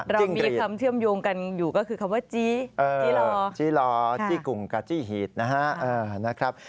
เรามีคำเชื่อมโยงกันอยู่ก็คือคำว่าจีจี้ลอที่กรุงกาจี้หีดนะครับ